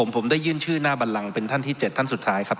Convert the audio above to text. ผมได้ยื่นชื่อหน้าบันลังเป็นท่านที่๗ท่านสุดท้ายครับ